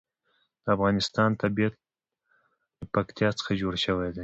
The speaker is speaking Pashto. د افغانستان طبیعت له پکتیا څخه جوړ شوی دی.